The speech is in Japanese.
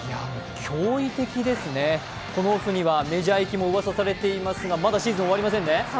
驚異的ですね、このオフにはメジャー行きがうわさされてますがまだシーズン、終わりませんね？